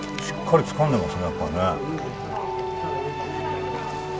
しっかりつかんでますねやっぱりね。